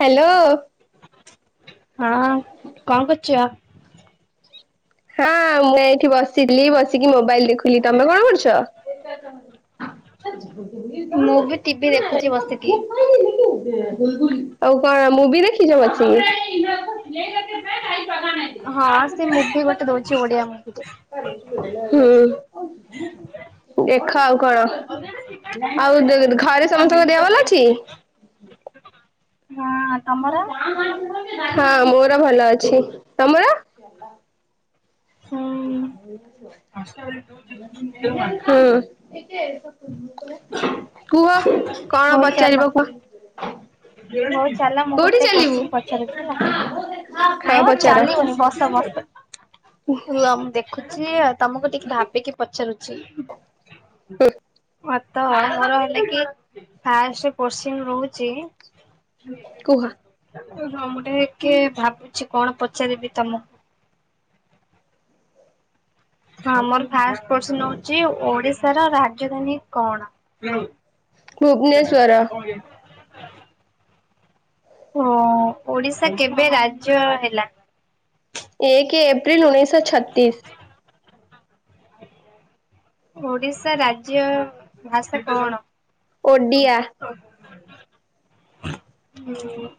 Hello. ହଁ କଣ କରୁଛ? ହଁ ମୁଁ ଏଇଠି ବସିଥିଲି ବସିକି ମୋବାଇଲ ଦେଖୁଥିଲି ତମେ କଣ କରୁଛ? ଆ। ମୁଁ ବି ଟିଭିି ଦେଖୁଛି ବସିକି। ଆଉ କଣ ମୁଭି ଦେଖିଛ ବସିକି? [unintelligible] ଛି ଓଡ଼ିଆ ମୁଁ ହୁଁ। ଦେଖ ଆଉ କଣ ଆଉ [unintelligible] ଘରେ ସମସ୍ତଙ୍କ ଦେହ ଭଲ ଅଛି? [unintelligible] ହଁ ତମର? ହଁ ମୋର ଭଲ ଅଛି ତମର? ହୁଁ ହଁ। କୁହ କଣ ହଉ ଚାଲ ପଚାରିବ କୁହ? [unintelligible] ଚାଲ ମୁଁ କୋଉଠି ଗୋଟେ ଚାଲିବୁ? କୋଚିନ ପଚାରୁଛି ହେଲା ହଁ ନାଇଁ ମ ପଚାର। ଚାଲିବନି ବସ ବସ। ଲମ ମୁଁ ଦେଖୁ ଛି ତମକୁ ଟିକେ ଭାବିକି ପଚାରୁଛି? ହୁଁ ତ ମୋର ହେଲେ କି ଫାଷ୍ଟ କୋସିନ ରହୁଛି। କୁହ। ହଁ ମୁଁ ଟେକେ ଭାବୁଛି କଣ ପଚାରିବି ତମକୁ? ଆମର ଫାଷ୍ଟ ପସନ ହଉଛି ଓଡିଶାର ରାଜଧାନୀ କଣ? ସେଲା ଭୁବନେଶ୍ୱର କଣ ହେ ହଁ ଓଡିଶା କେବେ ରାଜ୍ୟ ହେଲା। ଏକ ଏପ୍ରିଲ ଉଣେଇଶ ଛତିଶ। ହ। ଓଡିଶା ରାଜ୍ୟ ଭାଷା କଣ? ଓଡିଆ। ହଁ।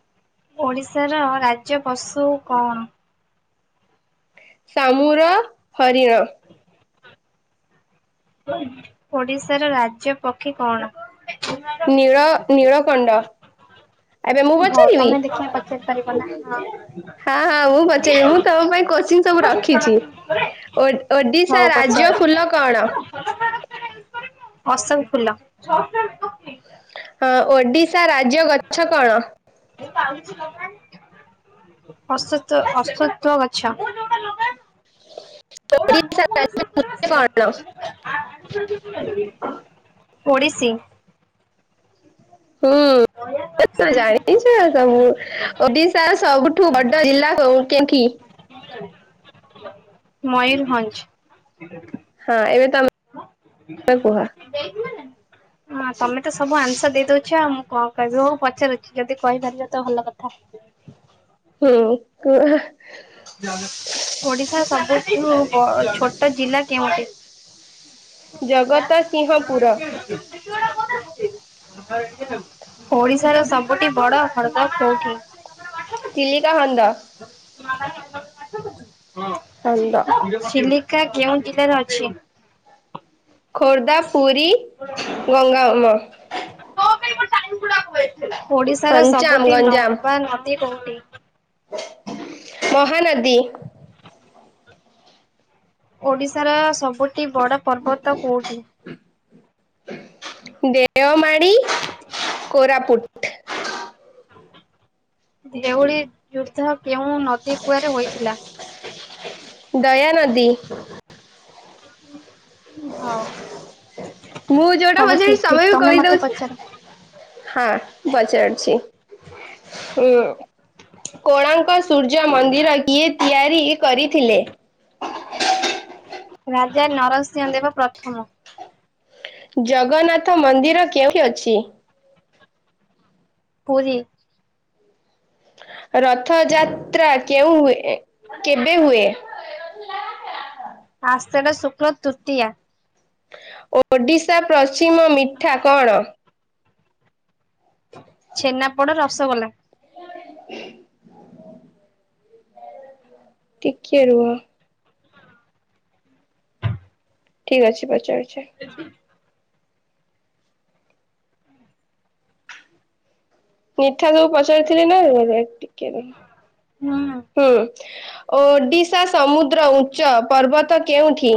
ଓଡିଶାର ରାଜ୍ୟ ପଶୁ କଣ? ଶାମୁର ହରିଣ। ଓଇ ଓଡିଶାର ରାଜ୍ୟ ପକ୍ଷୀ କଣ? ନୀଳ ନୀଳଗଣ୍ଡ ଏବେ ମୁଁ ହଉ ବଚାରିବି ତମେ ଦେଖିବା ପଚାରି ପାରିବ ନା ହଁ ହଁ ହଁ ମୁଁ ପଚାରିବି ମୁଁ ତମ ପାଇଁ କୋତ୍ସିନ ସବୁ ରଖିଚି ଓ ଓଡିଶା ହଉ ପଚାର। ରାଜ୍ୟ ଫୁଲ କଣ? ଅସୋକ ଫୁଲ। ଓଡିଶା ରାଜ୍ୟ ଗଛ କଣ? ଅସତ ଅସତୂ ଗଛ। [unintelligible] [inaudible] ଓଡ଼ିଶୀ। ହୁଁ। ଜାଣିଛ ସବୁ ଓଡିଶାର ସବୁଠୁ ବଡ ଜିଲ୍ଲା କଉଠି କି? ମୟୂରଭଞ୍ଜ। ହଁ ଏବେ ତମେ କୁହ ହଁ ତମେ ତ ସବୁ ଆନ୍ସର ଦେଇଦୋଉଛ ଆଉ ମୁଁ କଣ କହିବି ହୋଉ ପଚାର ଯଦି କହିପାରିଲେ ତ ଭଲ କଥା। ହୁଁ କୁହ ଅ ଓଡିଶା [unintelligible] ଛୋଟ ଜିଲ୍ଲା କେଉଁଠି? ଜଗତସିହପୁର। [inaudible] ଓଡିଶାର ସବୁଠି ବଡ ହଦ୍ର କୋଉଠି? ଚିଲିକା ହଣ୍ଡ। ହନ୍ଦ [inaudible] ଛିଲି କା କେଉଁ ଜିଲ୍ଲା ରେ ଅଛି? ଖୋର୍ଦ୍ଧା ପୁରୀ ଗଙ୍ଗାମ ଓଡ଼ିଶାର ଗଞ୍ଜାମ ସବୁଟି ଗଞ୍ଜାମ ନମ୍ବା ନଦୀ କଉଣ୍ଟି? ମହାନଦୀ। ଓଡିଶାର ସବୁଟି ବଡ ପର୍ବତ କଉଁଟି? ଦେଓମାଳି କୋରାପୁଟ। ଯେଉଭଳି ଯୁଦ୍ଧ କେଉଁ ନଦୀ କୂଳରେ ହୋଇଥିଲା? ତି ହୁଁ ହଉ ମୁଁ ଯୋଉଟା ସବୁ ପଚାରିଛି ଠିକ ଠିକ ବି ତମେ ମତେ କହିଦଉଛ ପଚାର ହଁ ପଚାରୁଛି ହୁଁ କୋଣାର୍କ ସୂର ସୂର୍ଯ୍ୟ ମନ୍ଦିର କିଏ ତିଆରି କରିଥିଲେ? ରାଜା ନରସିଂହ ଦେବ ପ୍ରଥମ। ଜଗନ୍ନାଥ ମନ୍ଦିର କେଉଁଠି ଅଛି? ପୁରୀ। ରଥଯାତ୍ରା କେଉଁ ହୁଏ କେବେ ହୁଏ? ଆଷାଢ ଶୁକ୍ଳ ତୃତୀୟା। ଓଡିଶା ପ୍ରଶ୍ଚିମ ମିଠା କଣ? ଛେନାପୋଡ ରସଗୋଲା। ହଁ ଟିକେ ରୁହ ଠିକ ଅଛି ପଚାରୁ [unintelligible] ମିଠା ସବୁ ପଚାରିଥିଲି ନା ଏରଠି କିଏ ବେ ହୁଁ ଓଡିଶା ସମୁଦ ଦ୍ର ଉଚ୍ଚ ପର୍ବତ କେଉଁଠି?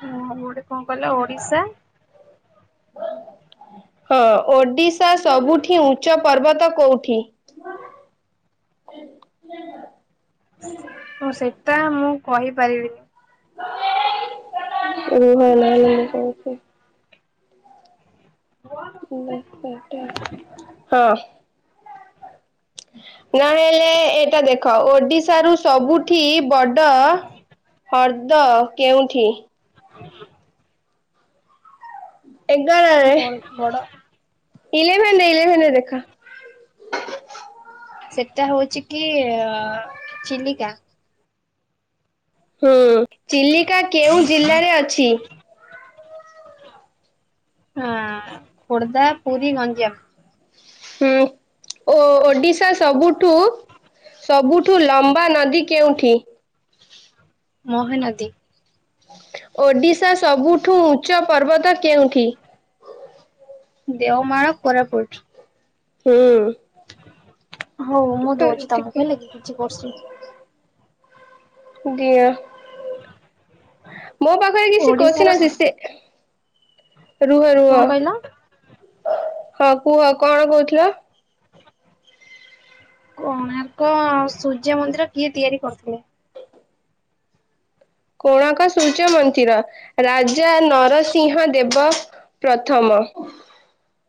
ହଁ ଗୋଟେ କଣ କହିଲ ଓଡିଶା? ହଁ ଓଡିଶା ସବୁଠୁ ଉଚ୍ଚ ପର୍ବତ କୋଉଠି? ହ [inaudible] ଏ [inaudible] ହଁ ସେଇଟା ମୁଁ କହିପାରିବିନି। [unintelligible] ର ଭ ନାଇ ସେଟା ହଁ। ନହେଲେ ଏଇଟା ଦେଖ ଓଡିଶା ରୁ ସବୁଠୁ ବଡ ହ୍ରଦ କେଉଁଠି? ହ [unintelligible] [unintelligible] ବ ବଡ ଇଲେଭେନ୍ ଇଲେଭେନରେ ଦେଖ। ସେଟା ହଉଛି କି ଅ ଚିଲିକା ହୁଁ, ଚିଲିକା କେଉଁ ଜିଲ୍ଲାରେ ଅଛି? ହଁ, ଖୋର୍ଦ୍ଧା, ପୁରୀ, ଗଞ୍ଜାମ। ହୁଁ। ଓ ଓଡିଶା ସବୁଠୁ ସବୁଠୁ ଲମ୍ବା ନଦୀ କେଉଁଠି? ମହାନଦୀ। ଓଡିଶା ସବୁଠୁ ଉଁଚ୍ଚ ପର୍ବତ କେଉଁଠି? ଦେଓମାଳ କୋରାପୁଟ। ହୁଁ। ହଉ ମୁଁ ଦଉଛି ଟିକେ ତମକୁ ହେଲେ କି କିଛି କ୍ୱେସ୍ଚନ୍। ଦିଅ, ମୋ ପାଖରେ କିଛି ଓଡିଶାର କୋଶ୍ଚିନ ଅଛି ସେ ରୁହ ରୁହ, କଣ କହିଲ ହଁ କୁହ କଣ କହୁଥିଲ? କୋଣାର୍କ ସୂର୍ଯ୍ୟ ମନ୍ଦିର କିଏ ତିଆରି କରିଥିଲେ? କୋଣାର୍କ ସୂର୍ଯ୍ୟ ମନ୍ଦିର ରାଜା ନରସିଂହ ଦେବ ପ୍ରଥମ ହଁ। [inaudible]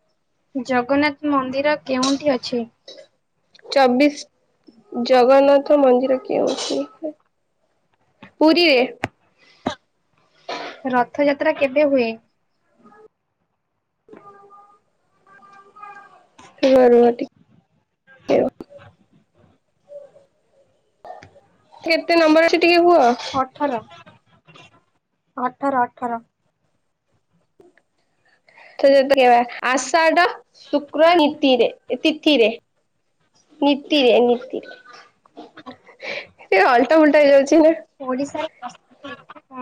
ଜଗନ୍ନାଥ ମନ୍ଦିର କେଉଁଠି ଅଛି? ଚବିଶ, ଜଗନ୍ନାଥ ମନ୍ଦିର କେଉଁଠି ପୁରୀରେ। ରଥଯାତ୍ରା କେବେ ହୁଏ? [unintelligible] [unintelligible] ଘରୁ [inaudible] କେତେ ନମ୍ବର ଅଛି ଟିକେ କୁଅ? ଅଠର ଅଠର ଅଠର। [unintelligible] ତ ଯେମିତି କଇବା [unintelligible] ଆଷାଢ ଶୁକ୍ର ନୀତିରେ ତିଥିରେ। ନିତିରେ ନିତି। ସେ ଅଲଟାପୁଲଟା ହେଇଯାଉଛି ନା। [inaudible]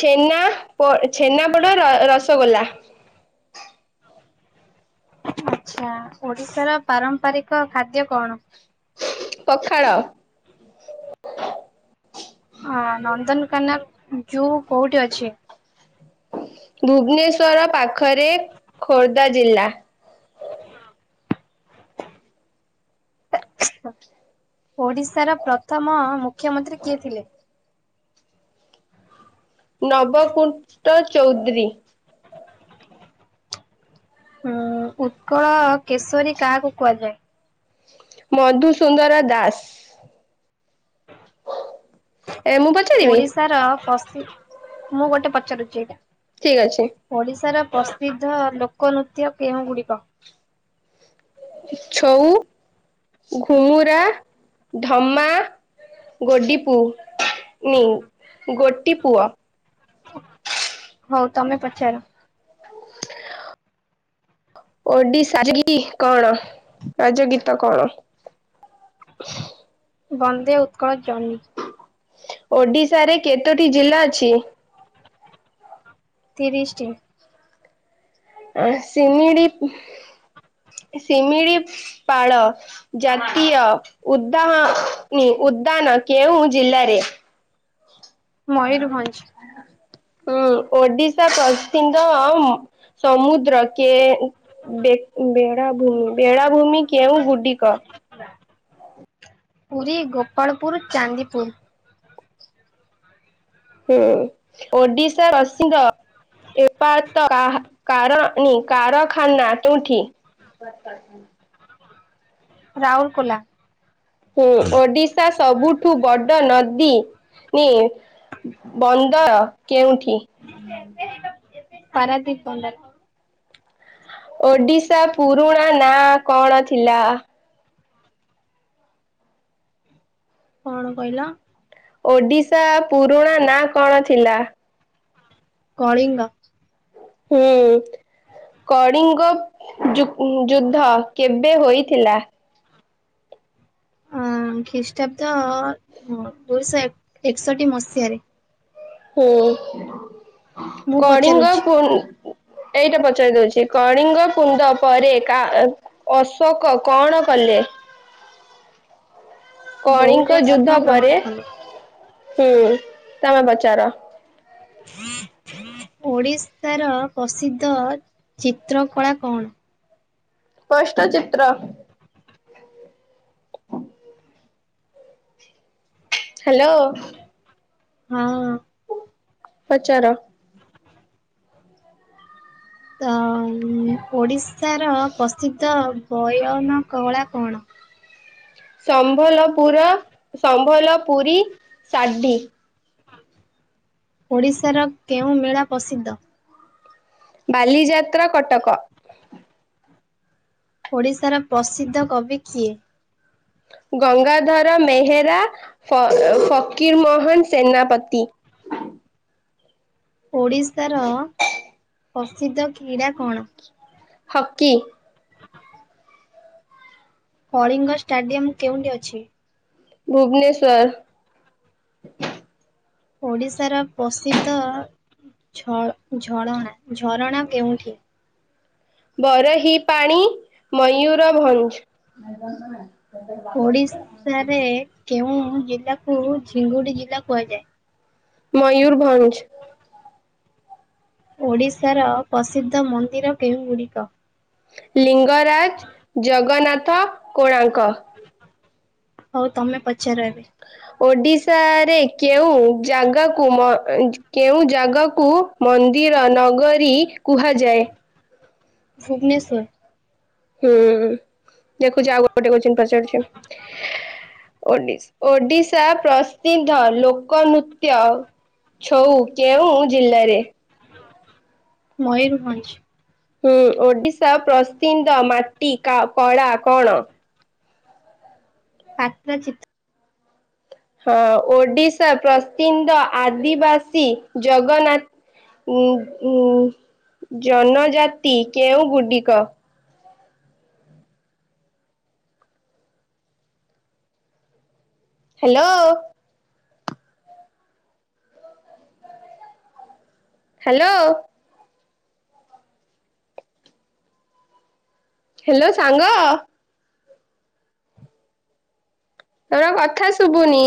ଛେନା ପୋ ଛେନାପୋଡ ର ରସଗୋଲା ଆଚ୍ଛା, ଓଡିଶାର ପାରମ୍ପାରିକ ଖାଦ୍ୟ କଣ? ପଖାଳ। ଆ ନନ୍ଦନକାନନ ଯୋଉ କୋଉଠି ଅଛି? ଭୁବନେଶ୍ଵର ପାଖରେ ଖୋର୍ଦ୍ଧା ଜିଲ୍ଲା। ଓଡିଶାର ପ୍ରଥମ ମୁଖ୍ୟମନ୍ତ୍ରୀ କିଏ ଥିଲେ? ନବକୁଣ୍ଟ ଚୌଧୁରୀ। ହୁଁ, ଉତ୍କଳ କେଶରୀ କାହାକୁ କୁହାଯାଏ? ମଧୁସୁନ୍ଦର ଦାସ। ଏ ମୁଁ ପଚାରିବି ଓଡିଶାର ପଶ ମୁଁ ଗୋଟେ ପଚାରୁଛି ଏଇଟା? ଠିକ ଅଛି ଓଡ଼ିଶାର ପ୍ରସିଦ୍ଧ ଲୋକନୃ ଛୋଉ, ଘୁମୁରା, ଢ଼ମା। ଗୋଡି ପୁ ନି ଗୋଟିପୁଅ। ହୋଉ ତମେ ପଚାର? ଓଡିଶା ରି ରି କଣ ରାଜ ଗୀତ କଣ? ବନ୍ଦେ ଉତ୍କଳ ଜନୀ ଓଡିଶାରେ କେତୋଟି ଜିଲ୍ଲା ଅଛି? ତିରିଶଟି। ଆ ସିମିଡି ଶିମିଳି ପାଳ ଜାତୀୟ ଉଦା ନି ଉଦାନ କେଉଁ ଜିଲ୍ଲାରେ ଆ ମୟୂରଭଞ୍ଜ ହୁଁ ଓଡିଶା ପ୍ରସିଧ ସମୁଦ୍ର କେ ବେଳାଭୂମି ବେଳାଭୂମି କେଉଁ ଗୁଡିକ? ପୁରୀ, ଗୋପାଳପୁର, ଚାନ୍ଦିପୁର। ହୁଁ ଓଡିଶା ରସିଙ୍ଗ ଏପ କ କ ନି କାରଖାନନା କୋଉଠି? ବା ପା ରାଉରକୋଲା। ହୁଁ ଓଡିଶା ସବୁଠୁ ବଡ ନଦୀ ନି ବନ୍ଦର କେଉଁଠି? ପରାତିପ ବନର ଓଡିଶା ପୁରୁଣା ନା କଣ ଥିଲା? କଣ କହିଲ? ଓଡ଼ିଶା ପୁରୁଣା ନାଁ କଣ ଥିଲା? କଳିଙ୍ଗ। ହୁଁ। କଳିଙ୍ଗ ଯୁ ଯୁଦ୍ଧ କେବେ ହୋଇଥିଲା? ଅ ଖ୍ରୀଷ୍ଟାବ୍ଦ ଦୁଇଶହ ଏକ ଏକଷଠି ମସିହାରେ। ହୁଁ ମୁଁ କଳିଙ୍ଗ ପଚାରୁଛି ପୁ ଏଇଟା ପଚାରି ଦଉଚି କଣିଙ୍ଗ କୁଣ୍ଡ ପରୋ ଅଶୋକ କଣ କଲେ? କଲେ? [inaudible] ବୌଦ୍ଧ କଳିଙ୍ଗ ଧର୍ମ ଯୁଦ୍ଧ ପରେ ଗ୍ରହଣ କଲେ। ହୁଁ ତମେ ପଚାର। ହୁଁ। ଓଡ଼ିଶାର ପ୍ରସିଦ୍ଧ ଚିତ୍ରକଳା କଣ? ସ୍ପଷ୍ଟ ଚିତ୍ର। ହ୍ୟାଲୋ। ହଁ। ପଚାର। ତ ଓଡ଼ିଶାର ପ୍ରସିଦ୍ଧ ବୟନକଳା କଣ? ସମ୍ବଲପୁର ସମ୍ବଲପୁରୀ ସାଢୀ। ଓଡ଼ିଶାର କେଉଁ ମେଳା ପ୍ରସିଦ୍ଧ? ବାଲିଯାତ୍ରା କଟକ। ଓଡ଼ିଶାର ପ୍ରସିଦ୍ଧ କବି କିଏ? ଗଙ୍ଗାଧର ମେହେରା ଫ ଫକୀର ମୋହନ ସେନାପତି। [inaudible] ଓଡ଼ିଶାର ପ୍ରସିଦ୍ଧ କ୍ରୀଡ଼ା କଣ? ହକି। କଳିଙ୍ଗ ଷ୍ଟାଡିୟମ କେଉଠି ଅଛି? ଭୁବନେଶ୍ୱର ଓଡ଼ିଶାର ପ୍ରସିଦ୍ଧ ଝରଣା, ଝରଣା କେଉଁଠି? ବରହି ପାଣି, ମୟୂରଭଞ୍ଜ ଓଡିଶାରେ କେଉଁ ଜିଲ୍ଲାକୁ ଝିଙ୍ଗୁଡି ଜିଲ୍ଲା କୁହାଯାଏ? ମୟୂୁରଭଞ୍ଜ। ଓଡ଼ିଶାର ପ୍ରସିଦ୍ଧ ମନ୍ଦିର କେଉଁ ଗୁଡିକ? ଲିଙ୍ଗରାଜ, ଜଗନ୍ନାଥ, କୋଣାର୍କ। ହଉ ତମେ ପଚାର ଏବେ? ଓଡ଼ିଶାରେ କେଉଁ ଜାଗାକୁ, କେଉଁ ଜାଗାକୁ ମନ୍ଦ ଇର ନଗରୀ କୁହାଯାଏ। ଭୁବନେଶ୍ୱର। ହୁଁ ଦେଖୁଚି ଆଉ ଗୋଟେ କୋଟିଙ୍ଗ୍ ପଚାରୁଚ଼ି? ଓଡିଶ୍ ଓଡ଼ିଶା ପ୍ରସିଦ୍ଧ ଲୋକ ନୁତ୍ୟ? ଛୋଉ -କେଉଁ ଜିଲ୍ଲାରେ? ମୟୂରଭଞ୍ଜ। ହୁଁ ଓଡିଶା ପ୍ରସିନ୍ଦ ମାଟି କା କଳା କଣ? ପାତ୍ର ଚିତ୍। ହଁ, ଓଡିଶା ପ୍ରସିନ୍ଦ ଆଦିବାସୀ ଜଗନ୍ନା ଉୁଁ ଘୁଁ ଜନଜାତି କେଉଁ ଗୁଡିକ? ହାଲୋ। ହାଲୋ। ହେଲୋ ସାଙ୍ଗ ତୋର କଥା ଶୁବୁନି?